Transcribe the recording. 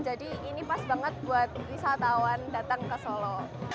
jadi ini pas banget buat wisatawan datang ke solo